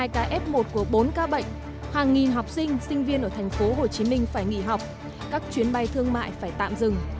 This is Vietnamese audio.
tám trăm năm mươi hai ca f một của bốn ca bệnh hàng nghìn học sinh sinh viên ở thành phố hồ chí minh phải nghỉ học các chuyến bay thương mại phải tạm dừng